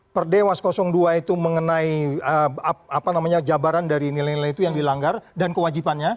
per dewas dua itu mengenai jabaran dari nilai nilai itu yang dilanggar dan kewajibannya